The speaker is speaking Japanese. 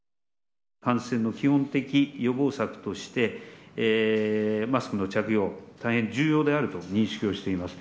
感染の基本的予防策として、マスクの着用、大変重要であると認識をしております。